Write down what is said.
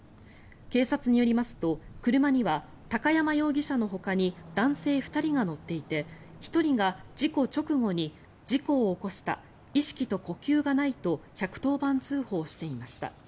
警察によりますと車には高山容疑者のほかに男性２人が乗っていて１人が事故直後に事故を起こした意識と呼吸がないと１１０番通報していました。